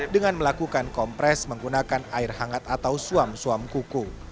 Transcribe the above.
dengan melakukan kompres menggunakan air hangat atau suam suam kuku